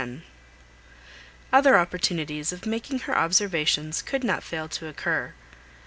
Other opportunities of making her observations could not fail to occur.